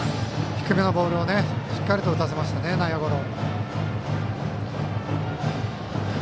低めのボールをしっかり打たせましたね内野ゴロ。